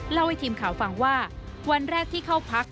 เล่าให้ทีมข่าวฟังว่าวันแรกที่เข้าพัก